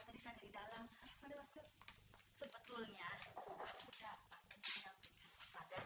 dia tadi sana di dalam